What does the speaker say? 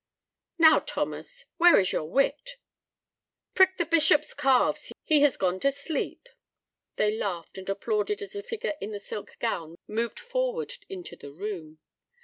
"Now, Thomas, where is your wit?" "Prick the bishop's calves, he has gone to sleep." They laughed and applauded as the figure in the silk gown moved forward into the room.